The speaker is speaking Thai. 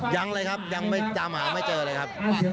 ยังเลยครับยังไม่ตามหาไม่เจอเลยครับ